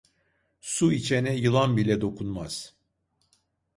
Su içene yılan bile dokunmaz.